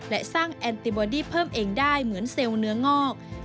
และสร้างแอนติบอดี้เพิ่มเองได้เหมือนเซลล์เนื้องอก